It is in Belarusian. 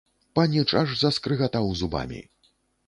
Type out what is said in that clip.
Паніч аж заскрыгатаў зубамі.